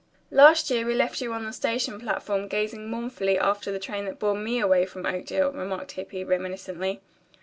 "Last year we left you on the station platform gazing mournfully after the train that bore me away from Oakdale," remarked Hippy reminiscently.